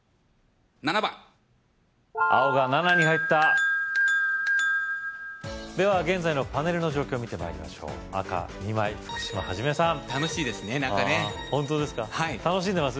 ７番青が７に入った・・では現在のパネルの状況見て参りましょう赤２枚福島はじめさん楽しいですねなんかね本当ですか楽しんでます？